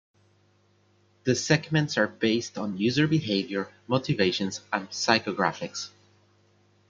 The segments are based on user behavior, motivations, and psychographics.